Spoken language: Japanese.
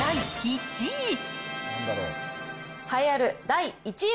第１位。